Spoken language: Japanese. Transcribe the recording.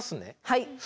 はい。